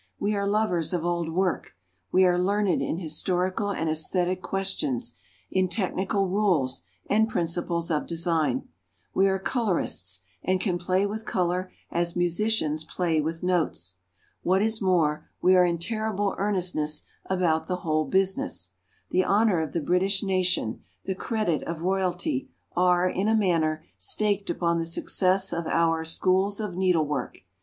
We are lovers of old work: we are learned in historical and æsthetic questions, in technical rules and principles of design. We are colourists, and can play with colour as musicians play with notes. What is more, we are in terrible earnestness about the whole business. The honour of the British nation, the credit of Royalty, are, in a manner, staked upon the success of our "Schools of Needlework."